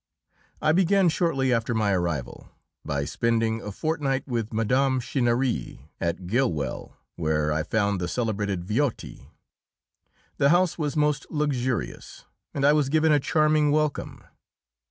I began, shortly after my arrival, by spending a fortnight with Mme. Chinnery at Gillwell, where I found the celebrated Viotti. The house was most luxurious, and I was given a charming welcome.